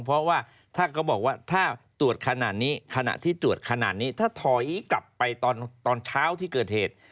เพราะว่าถ้าตรวจขนาดนี้ถ้าถอยกลับไปตอนเช้าที่เกิดเหตุ